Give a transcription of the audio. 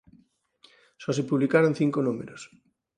Só se publicaron cinco números.